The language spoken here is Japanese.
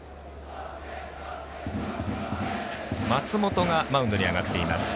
松本がマウンドに上がっています。